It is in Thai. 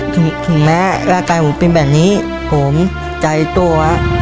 ถึงแม้ราคาหูปินแบบนี้ผมใจตัว